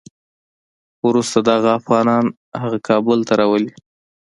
وروسته دغه افغانان هغه کابل ته راولي.